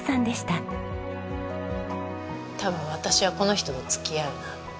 「多分私はこの人と付き合うな」。